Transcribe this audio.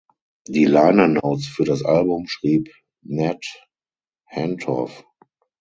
Die Liner Notes für das Album schrieb Nat Hentoff.